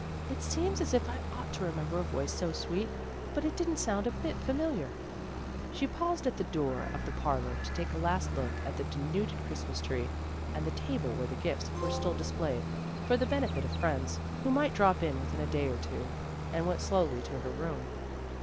" It seems as if I ought to re member a voice so sweet, but it didn't sound a bit familiar." She paused at the door of the parlor to take a last look at the denuded Christmas tree, and the table where the gifts were still displayed, for the benefit of friends who might drop in within a day or two, and went slowly to her room.